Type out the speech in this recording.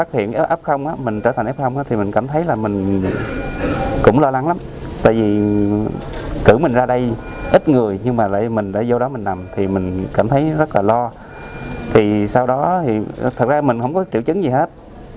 thì sau đó thì thật ra mình không có triệu chứng gì hết